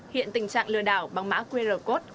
hiện tình trạng lừa đảo bằng mã qr code